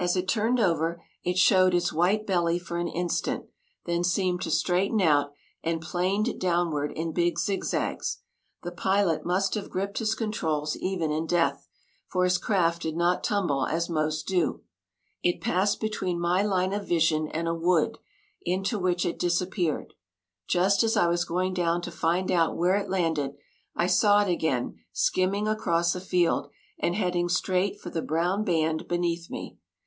As it turned over, it showed its white belly for an instant, then seemed to straighten out, and planed downward in big zigzags. The pilot must have gripped his controls even in death, for his craft did not tumble as most do. It passed between my line of vision and a wood, into which it disappeared. Just as I was going down to find out where it landed, I saw it again skimming across a field, and heading straight for the brown band beneath me.